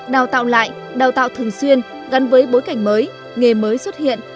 đào tạo lại đào tạo thường xuyên gắn với bối cảnh mới nghề mới xuất hiện